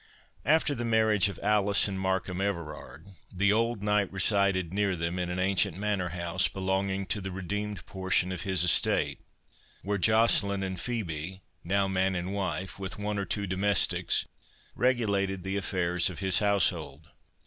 After the marriage of Alice and Markham Everard, the old knight resided near them, in an ancient manor house, belonging to the redeemed portion of his estate, where Joceline and Phœbe, now man and wife, with one or two domestics, regulated the affairs of his household.